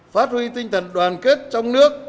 phát huy tinh thần đoàn kết trong nước